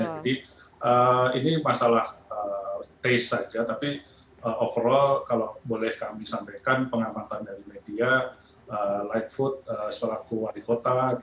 jadi ini masalah taste saja tapi overall kalau boleh kami sampaikan pengamatan dari media lightfoot sebagai ku wali kota